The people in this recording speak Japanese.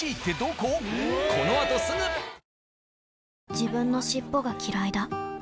自分の尻尾がきらいだ